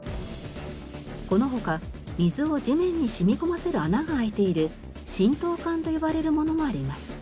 この他水を地面に染み込ませる穴が開いている浸透管と呼ばれるものもあります。